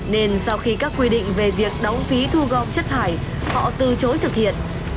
nên sau khi các quy định về việc đóng phí thu gom chất thải họ từ chối thực hiện